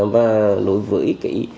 và đối với